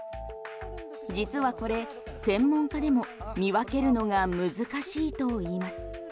実はこれ専門家でも見分けるのが難しいといいます。